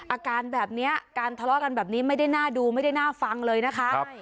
อาการแบบนี้การทะเลาะกันแบบนี้ไม่ได้น่าดูไม่ได้น่าฟังเลยนะคะ